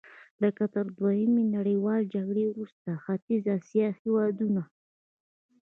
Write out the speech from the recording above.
لکه تر دویمې نړیوالې جګړې وروسته ختیځې اسیا هېوادونه.